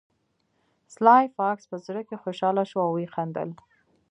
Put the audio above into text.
سلای فاکس په زړه کې خوشحاله شو او وخندل